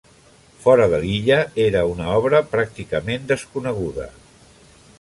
Fora de l'illa era una obra pràcticament desconeguda.